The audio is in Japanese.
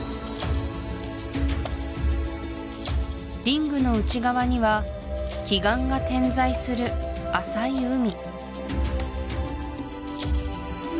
リングの内側には奇岩が点在する浅い海